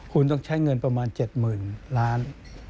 คุณต้องใช้เงินประมาณ๗๐๐๐ล้าน